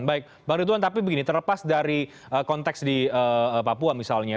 baik bang ridwan tapi begini terlepas dari konteks di papua misalnya